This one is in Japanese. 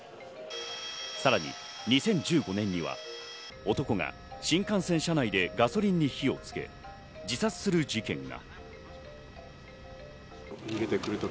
さらに２０１５年には、男が新幹線車内でガソリンに火をつけ、自殺する事件が。